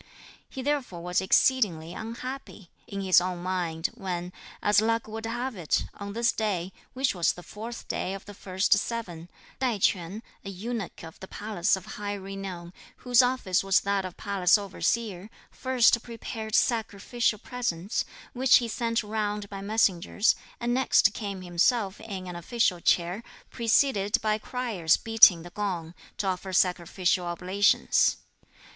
He therefore was exceedingly unhappy, in his own mind, when, as luck would have it, on this day, which was the fourth day of the first seven, Tai Ch'üan, a eunuch of the Palace of High Renown, whose office was that of Palace Overseer, first prepared sacrificial presents, which he sent round by messengers, and next came himself in an official chair, preceded by criers beating the gong, to offer sacrificial oblations.